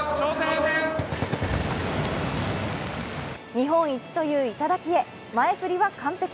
日本一という頂へ前ふりは完璧。